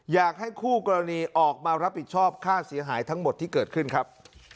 อยากให้คู่กรณีออกมารับผิดชอบค่าเสียหายทั้งหมดที่เกิดขึ้นครับ